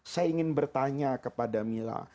saya ingin bertanya kepada mila